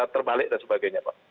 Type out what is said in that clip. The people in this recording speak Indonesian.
terbalik dan sebagainya pak